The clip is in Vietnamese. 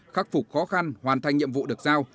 khắc phục khó khăn hoàn thành nhiệm vụ được giao